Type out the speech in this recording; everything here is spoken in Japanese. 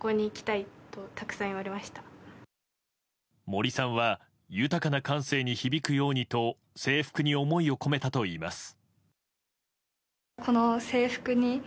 森さんは豊かな感性に響くようにと制服に思いを込めたといいます。